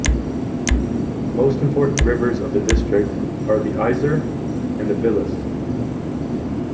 Most important rivers of the district are the Isar and the Vils.